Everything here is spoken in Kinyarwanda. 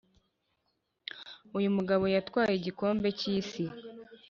uyumugabo yatwaye igikombe cyisi